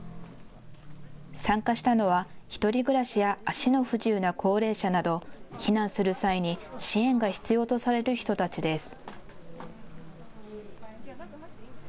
参加したのは１人暮らしや足の不自由な高齢者など避難する際に支援が必要とされる人たちです。